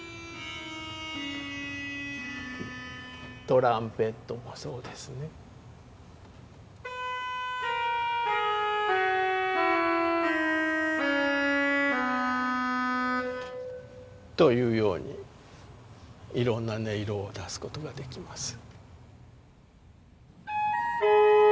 トランペットもそうですね。というようにいろんな音色を足すことができます。